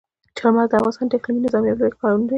چار مغز د افغانستان د اقلیمي نظام یوه لویه ښکارندوی ده.